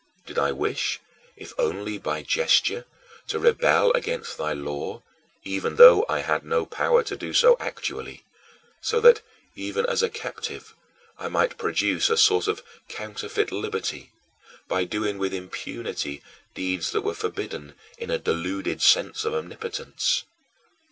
Did I wish, if only by gesture, to rebel against thy law, even though I had no power to do so actually so that, even as a captive, I might produce a sort of counterfeit liberty, by doing with impunity deeds that were forbidden, in a deluded sense of omnipotence?